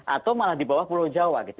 atau malah di bawah pulau jawa gitu